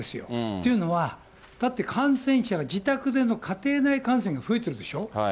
というのは、だって、感染者が自宅での家庭内感染が増えてるでしょ。